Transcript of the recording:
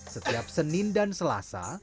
setiap senin dan selasa